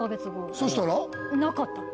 そしたら？なかった。